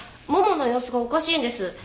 ももの様子がおかしいんです。